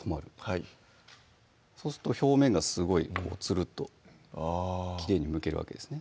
はいそうすると表面がすごいつるっとあぁきれいにむけるわけですね